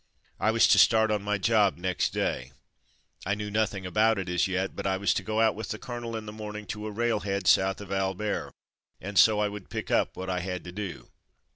I was to start on my job next day. I knew nothing about it as yet, but I was to go out with the colonel in the morning to a railhead south of Albert, and so I would pick up what I had to do.